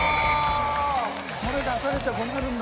それ出されちゃ困るんだ。